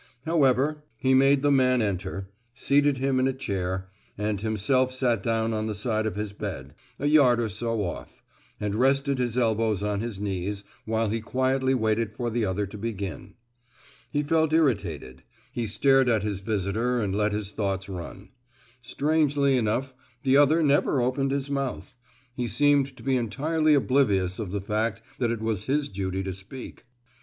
However, he made the man enter, seated him in a chair, and himself sat down on the side of his bed, a yard or so off, and rested his elbows on his knees while he quietly waited for the other to begin. He felt irritated; he stared at his visitor and let his thoughts run. Strangely enough, the other never opened his mouth; he seemed to be entirely oblivious of the fact that it was his duty to speak.